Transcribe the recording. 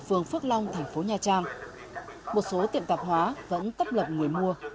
phường phước long thành phố nha trang một số tiệm tạp hóa vẫn tấp lật người mua